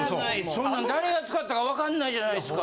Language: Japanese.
そんなん誰が使ったかわかんないじゃないですか。